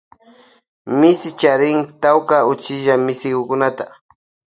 Misi charin tawka uchilla misikunata.